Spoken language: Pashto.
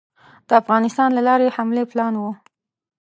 د افغانستان له لارې حملې پلان وو.